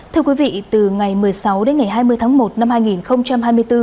thưa quý vị từ ngày một mươi sáu đến ngày hai mươi tháng một năm hai nghìn hai mươi bốn